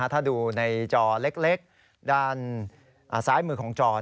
ถ้าดูในจอเล็กด้านซ้ายมือของจอ